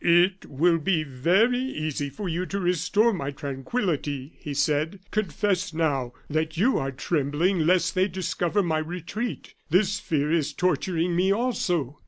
"It will be very easy for you to restore my tranquillity," he said. "Confess now, that you are trembling lest they discover my retreat. This fear is torturing me also.